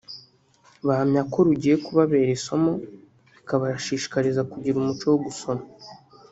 bahamya ko rugiye kubabera isomo bikabashishikariza kugira umuco wo gusoma